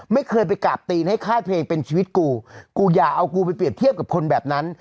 ไม่เคยไปกราบตีนให้ค่ายเพลงเป็นชีวิตกูกูอย่าเอากูไปเรียบเทียบกับคนแบบนั้น